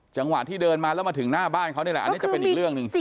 จังหวะที่เดินมาแล้วมาถึงหน้าบ้านเขานี่แหละอันนี้จะเป็นอีกเรื่องหนึ่ง